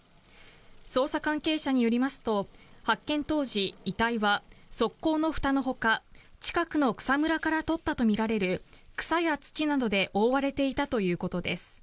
捜査関係者によりますと発見当時、遺体は側溝のふたのほか近くの草むらから取ったとみられる草や土などで覆われていたということです。